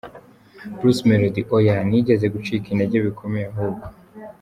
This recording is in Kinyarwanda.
Bruce Melody: Oya, nigeze gucika intege bikomeye ahubwo.